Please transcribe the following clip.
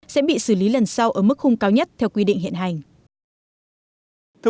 sẽ bị xử lý lần sau ở mức hung cao nhất theo quy định hiện hành